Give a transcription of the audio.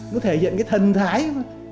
nó thể hiện cái thần thái